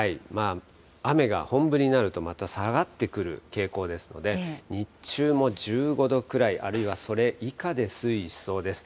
雨が本降りになると、また下がってくる傾向ですので、日中も１５度くらい、あるいはそれ以下で推移しそうです。